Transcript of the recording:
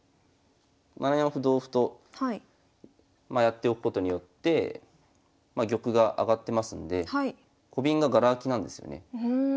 ７四歩同歩とやっておくことによって玉が上がってますんでコビンががら空きなんですよね。